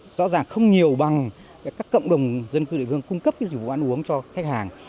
thì rõ ràng không nhiều bằng các cộng đồng dân khu địa phương cung cấp dịch vụ ăn uống cho khách hàng